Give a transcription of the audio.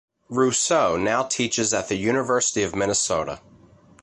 Rousseau now teaches at the University of Minnesota.